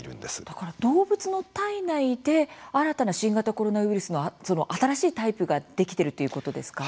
だから動物の体内で新たな新型コロナウイルスの新しいタイプができているということですか？